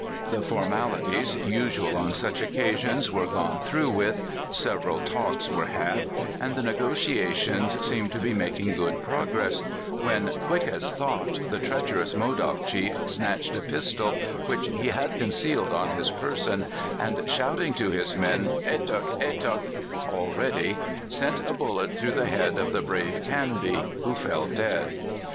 The formalities usual on such occa sions were gone through with, sevei aI " talks " were had, and the negotiations seemed to be making good progress, when, quick as thought, the treach erous Modoc chief snatched a pistol which he had concealed on his person, and shouting to his men, "Hetuckf" "Retuckr' (All ready!) sent a bullet through the head of the brave Canby, who fell dead.